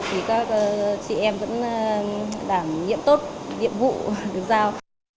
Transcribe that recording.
thì các chị em vẫn đảm nhiệm tốt nhiệm vụ được giao